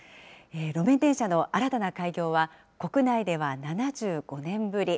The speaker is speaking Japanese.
路面電車の新たな開業は、国内では７５年ぶり。